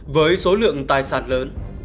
với số lượng tài sản lớn